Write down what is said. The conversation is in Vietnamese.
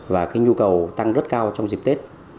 và cái nhu cầu tăng rất cao trong dịp tết